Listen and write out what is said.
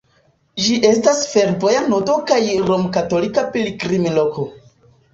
Ĝi estas fervoja nodo kaj romkatolika pilgrimloko.